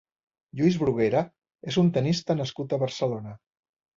Lluis Bruguera és un tennista nascut a Barcelona.